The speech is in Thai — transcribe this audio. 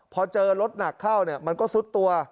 พอเจอรถหนักเข้ามันก็ซุดตัว